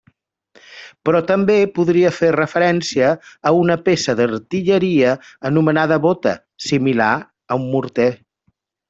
Però també podria fer referència a una peça d'artilleria anomenada bota, similar a un morter.